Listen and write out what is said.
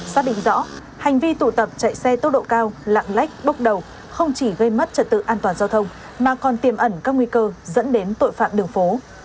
xác định rõ hành vi tụ tập chạy xe tốc độ cao lạng lách bốc đầu không chỉ gây mất trật tự an toàn giao thông mà còn tiềm ẩn các nguy cơ dẫn đến tội phạm đường phố